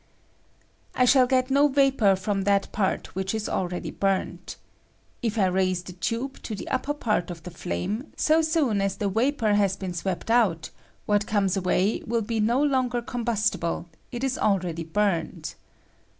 I shall get no vapor from that part which is already burnt. If I raise the tube (Fig. 7) to the upper part of the flame, so soon as the p yapor has been swept out what comes away ■will be no longer combustible; it is already burred.